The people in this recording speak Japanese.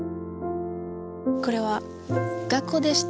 これは学校でした。